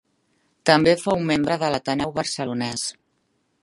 També fou membre de l'Ateneu Barcelonès.